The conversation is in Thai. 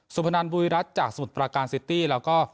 พนันบุรีรัฐจากสมุทรประการซิตี้แล้วก็